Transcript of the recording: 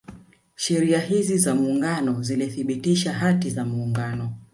Sheria hizi za Muungano zilithibitisha Hati za Muungano